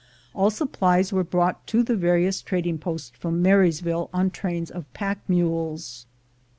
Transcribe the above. All supplies were brought to the various trading posts from Marysville on trains of pack mules.